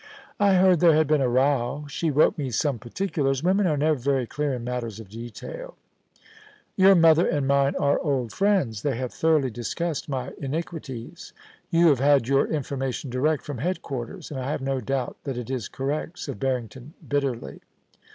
* I heard there had been a row. She wrote me some particulars. Women are never very clear in matters of detail' *Your mother and mine are old friends. They have thoroughly discussed my iniquities. You have had your information direct from head quarters, and I have no doubt that it is correct,' said Barrington, bitterly.